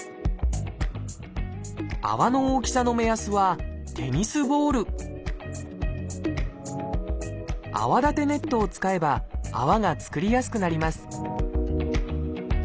泡の大きさの目安はテニスボール泡立てネットを使えば泡が作りやすくなります